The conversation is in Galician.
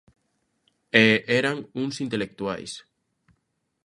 E eran uns intelectuais.